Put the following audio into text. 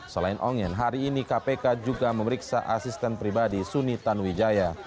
selain ongen hari ini kpk juga memeriksa asisten pribadi suni tanuwijaya